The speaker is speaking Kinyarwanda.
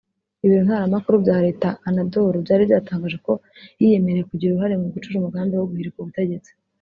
Ibiro ntaramakuru bya Leta Anadolu byari byatangaje ko yiyemereye kugira uruhare mu gucura umugambi wo guhirika ubutegetsi